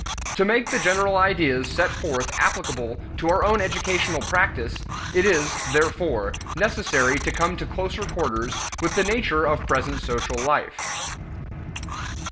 To make the general ideas set forth applicable to our own educational practice, it is, therefore, necessary to come to closer quarters with the nature of present social life.